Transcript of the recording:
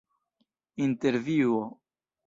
intervjuo